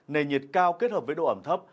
nền nhiệt cao kết hợp với độ ẩm thấp